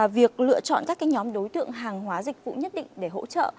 việc lựa chọn các nhóm đối tượng hàng hóa dịch vụ nhất định để hỗ trợ